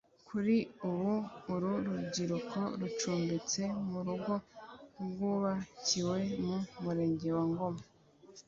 Kuri ubu uru rubyiruko rucumbitse mu rugo rwubakiwe mu Murenge wa Ngoma